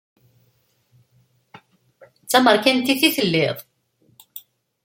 D tamerkantit i telliḍ?